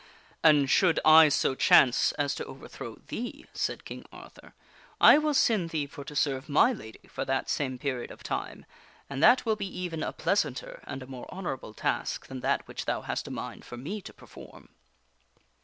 " And should I so chance as to overthrow thee," said King Arthur, " I will send thee for to serve my lady for that same period of time, and that will be even a pleasanter and a more honorable task than that which thou hast a mind for me to perform."